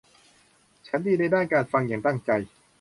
ฉันดีในด้านการฟังอย่างตั้งใจ